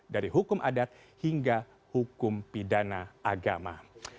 dari hukum adat hingga hukum pidana agama